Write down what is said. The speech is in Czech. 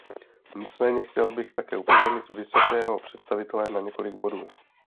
Nicméně chtěl bych také upozornit vysokého představitele na několik bodů.